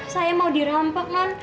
saya mau dirampok nan